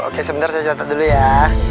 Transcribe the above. oke sebentar saya catat dulu ya